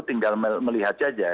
tinggal melihat saja